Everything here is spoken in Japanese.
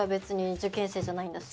受験生じゃないんだし。